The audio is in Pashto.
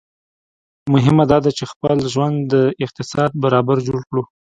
مهمه داده چي خپل ژوند د اقتصاد برابر جوړ کړو